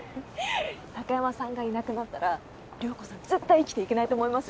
貴山さんがいなくなったら涼子さん絶対生きていけないと思いますよ。